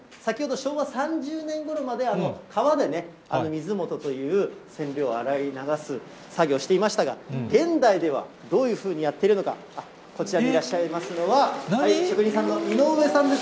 昭和３０年ごろまで、川でね、水元という染料を洗い流すという作業をしていましたが、現代ではどういうふうにやっているのか、こちらにいらっしゃいますのは、職人さんの井上さんです。